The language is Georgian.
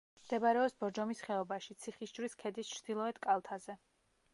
მდებარეობს ბორჯომის ხეობაში, ციხისჯვრის ქედის ჩრდილოეთ კალთაზე.